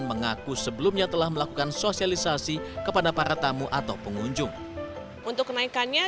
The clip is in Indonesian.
mengaku sebelumnya telah melakukan sosialisasi kepada para tamu atau pengunjung untuk kenaikannya